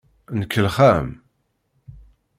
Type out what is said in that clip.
Nkellex-am.